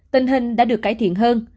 tình hình đã được cải thiện hơn